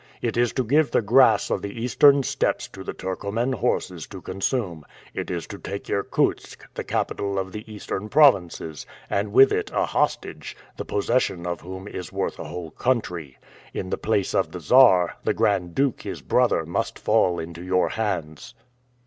It is to give the grass of the eastern steppes to the Turcoman horses to consume. It is to take Irkutsk, the capital of the eastern provinces, and with it a hostage, the possession of whom is worth a whole country. In the place of the Czar, the Grand Duke his brother must fall into your hands."